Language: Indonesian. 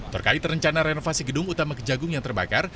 terkait rencana renovasi gedung utama kejagung yang terbakar